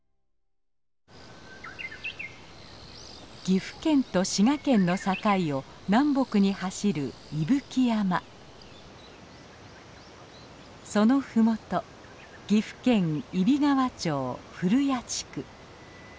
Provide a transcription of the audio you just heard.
岐阜県と滋賀県の境を南北に走るその麓岐阜県揖斐川町古屋地区。